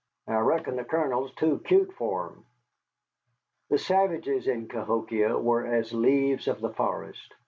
I reckon the Colonel's too cute for 'em." The savages in Cahokia were as the leaves of the forest.